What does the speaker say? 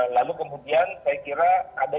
lalu kemudian saya kira ada